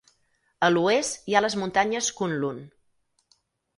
A l'oest hi ha les muntanyes Kunlun.